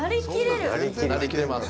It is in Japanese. なりきれます。